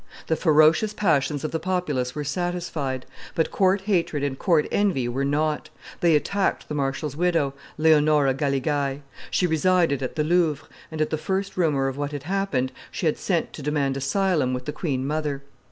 The ferocious passions of the populace were satisfied; but court hatred and court envy were not; they attacked the marshal's widow, Leonora Galigai. She resided at the Louvre, and, at the first rumor of what had happened, she had sent to demand asylum with the queen mother.